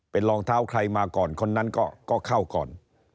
เป็นรองเท้าใครมาก่อนคนนั้นก็เข้าก่อน